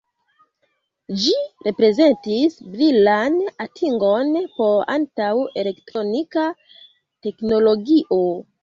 Ĝi reprezentis brilan atingon por antaŭ-elektronika teknologio.